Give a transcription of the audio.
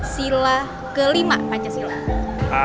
sila kelima pancasila